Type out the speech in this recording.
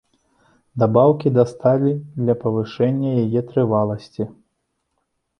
Дабаўкі да сталі для павышэння яе трываласці.